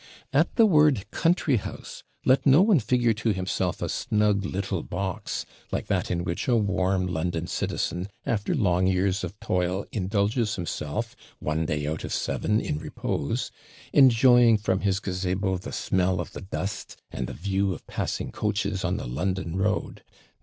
At the word country house, let no one figure to himself a snug little box, like that in which a WARM London citizen, after long years of toil, indulges himself, one day out of seven, in repose enjoying from his gazabo the smell of the dust, and the view of passing coaches on the London road.